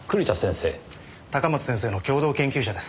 高松先生の共同研究者です。